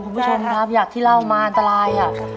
คุณผู้ชมครับอย่างที่เล่ามาอันตราย